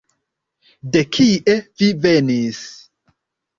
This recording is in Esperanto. De kie vi venis?